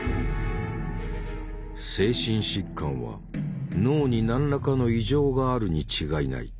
精神疾患は脳に何らかの異常があるに違いない。